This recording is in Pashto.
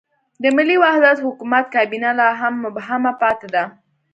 د ملي وحدت حکومت کابینه لا هم مبهمه پاتې ده.